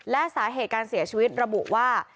และสาเหตุการเสียชีวิตระบุว่า